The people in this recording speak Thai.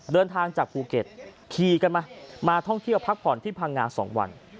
เดินทางจากภูเก็ตขี่กันมามาท่องเที่ยวพักผ่อนที่พังงา๒วัน